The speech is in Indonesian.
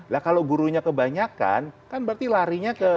nah kalau gurunya kebanyakan kan berarti larinya ke